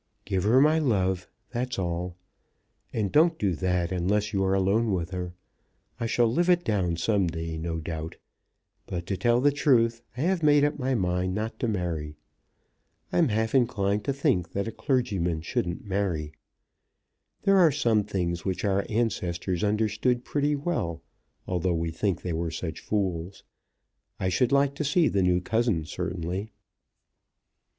"Give her my love; that's all. And don't do that unless you're alone with her. I shall live it down some day, no doubt, but to tell the truth I have made up my mind not to marry. I'm half inclined to think that a clergyman shouldn't marry. There are some things which our ancestors understood pretty well, although we think they were such fools. I should like to see the new cousin, certainly."